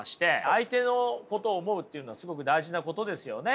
相手のことを思うっていうのはすごく大事なことですよね。